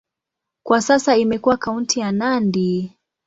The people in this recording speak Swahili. Kwa sasa imekuwa kaunti ya Nandi.